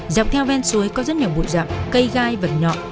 dọc theo bên suối có rất nhiều bụi rậm cây gai vật nhọ